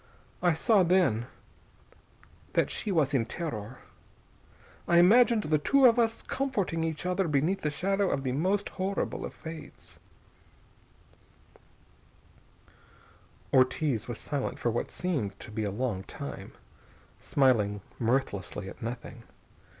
I saw, then, that she was in terror. I imagined the two of us comforting each other beneath the shadow of the most horrible of fates...." Ortiz was silent for what seemed to be a long time, smiling mirthlessly at nothing.